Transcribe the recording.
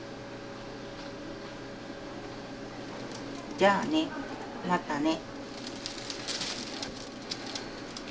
じゃあね、またね。